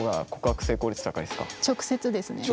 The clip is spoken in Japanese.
直接です。